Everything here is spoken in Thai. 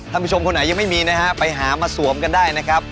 ผู้ชมคนไหนยังไม่มีนะฮะไปหามาสวมกันได้นะครับ